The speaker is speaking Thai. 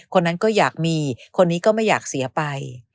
คนนั้นก็อยากมีคนนี้ก็ไม่อยากเสียไป